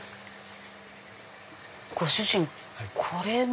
ご主人これも。